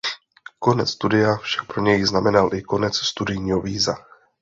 Konec studia však pro něj znamenal i konec studijního víza.